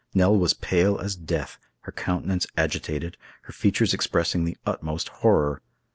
Nell was pale as death, her countenance agitated, her features expressing the utmost horror.